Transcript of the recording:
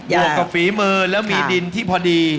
วกกับฝีมือแล้วมีดินที่พอดี